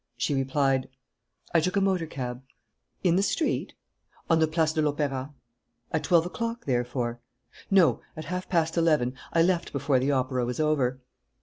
She replied: "I took a motor cab." "In the street?" "On the Place de l'Opéra." "At twelve o'clock, therefore?" "No, at half past eleven: I left before the opera was over."